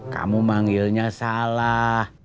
kamu manggilnya salah